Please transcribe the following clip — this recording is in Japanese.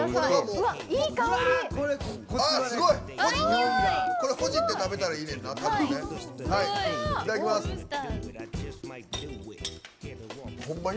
ほじって食べたらいいねんな。